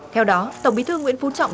theo đó tổng bí thư nguyễn phú trọng